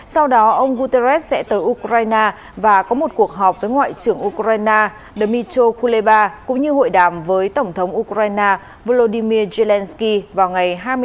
sau đó ông guterres sẽ tới ukraine và có một cuộc họp với ngoại trưởng ukraine dmitr kuleba cũng như hội đàm với tổng thống ukraine volodymyr zelensky vào ngày hai mươi bốn